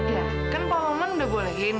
ya kan pak roman udah bolehin